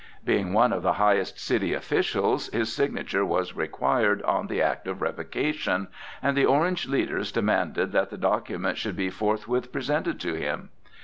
Being one of the highest city officials, his signature was required on the act of revocation, and the Orange leaders demanded that the document should be forthwith presented to him.